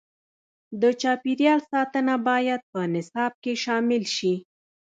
د چاپیریال ساتنه باید په نصاب کې شامل شي.